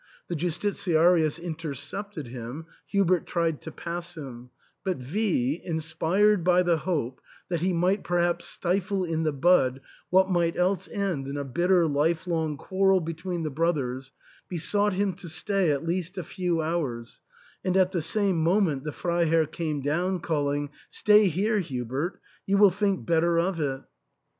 The Justitiarius intercepted him ; Hubert tried to pass him ; but V y inspired by the hope that he might perhaps stifle in the bud what might else end in a bitter life long quarrel be tween the brothers, besought him to stay, at least a few hours, and at the same moment the Freiherr came down calling, " Stay here, Hubert ! you will think better of it."